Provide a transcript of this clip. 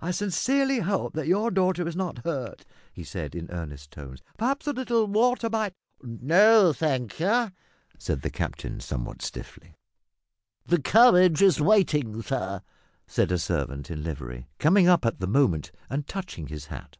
"I sincerely hope that your daughter is not hurt," he said, in earnest tones. "Perhaps a little water might " "No, thank you," said the captain somewhat stiffly. "The carriage is waiting, sir," said a servant in livery, coming up at the moment and touching his hat.